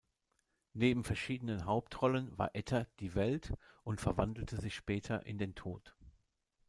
Neben verschiedenen Hauptrollen war Etter die "Welt" und verwandelte sich später in den "Tod".